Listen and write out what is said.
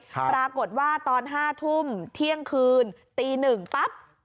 ปรากฏว่าตอน๕ทุ่มเที่ยงคืนตี๑ปั๊บ